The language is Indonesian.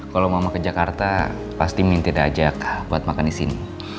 kalo mama ke jakarta pasti minta dia ajak buat makan disini